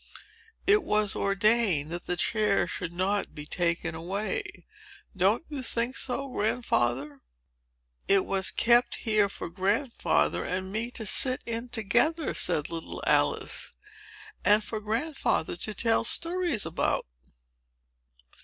It was ordained that the chair should not be taken away. Don't you think so, Grandfather?" "It was kept here for Grandfather and me to sit in together," said little Alice, "and for Grandfather to tell stories about."